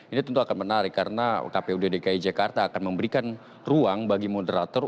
ini tentu akan menarik karena kpu dki jakarta akan memberikan ruang bagi moderator